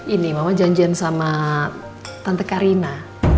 ini mama janjian sama tante karina